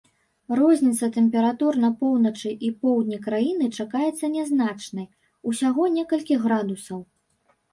Розніца тэмператур на поўначы і поўдні краіны чакаецца нязначнай, усяго некалькі градусаў.